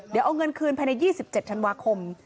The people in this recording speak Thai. เดี๋ยวเอาเงินคืนภายใน๒๗ธันวาคม